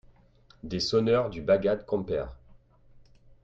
Des sonneurs du Bagad Kemper.